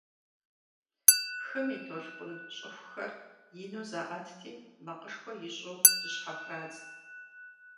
Хым и толъкъун щӀыхухэр ину заӀэтти макъышхуэ ищӀу зыщхьэпрадзт.